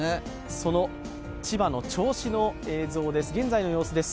その千葉の銚子の映像です